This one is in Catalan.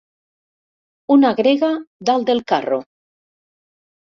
Una grega dalt del carro.